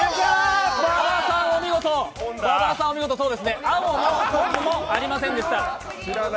馬場さん、お見事、青も本もありませんでした。